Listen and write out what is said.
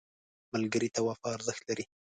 ملګری ته وفا ارزښت لري